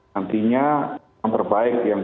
nantinya yang terbaik yang